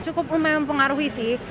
cukup lumayan mempengaruhi sih